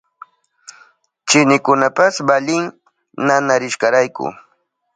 Chinikunapas valin nanarishkarayku.